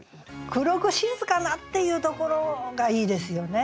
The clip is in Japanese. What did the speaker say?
「黒く静かな」っていうところがいいですよね。